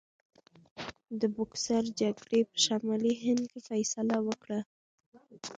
د بوکسر جګړې په شمالي هند کې فیصله وکړه.